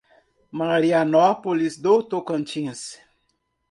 Marianópolis do Tocantins